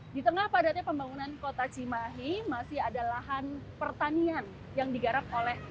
di tengah padatnya pembangunan kota cimahi masih ada lahan pertanian yang digarap oleh